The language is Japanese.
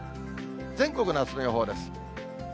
全国のあすの予報です。